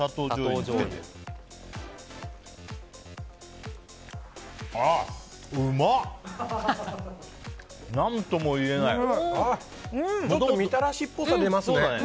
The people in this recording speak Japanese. ちょっとみたらしっぽさが出ますね。